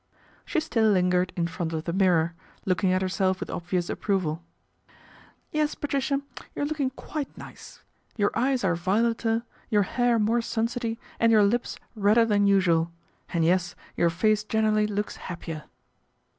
She still lingered in front of the mirror, looking at herself with obvious approval. " Yes, Patricia ! you are looking quite nice. Your eyes are violeter, your hair more sunsetty ADVENTURE AT THE QUADRANT 29 and your lips redder than usual, and, yes, your face generally looks happier."